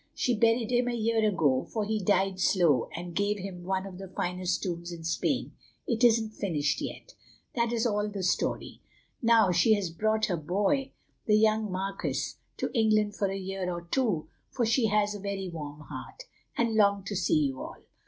She buried him a year ago, for he died slow, and gave him one of the finest tombs in Spain—it isn't finished yet. That is all the story. Now she has brought her boy, the young marquis, to England for a year or two, for she has a very warm heart, and longed to see you all.